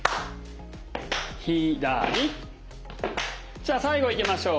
じゃあ最後いきましょう。